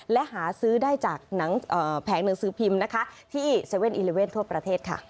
และหาซื้อได้จากหนังเอ่อแผงหนังสือพิมพ์นะคะที่เซเว่นอีเลเว่นทั่วประเทศค่ะ